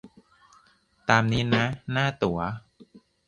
ตามนี้นะ หน้าตั๋ว